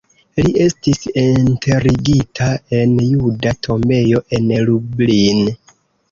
Li estis enterigita en juda tombejo en Lublin.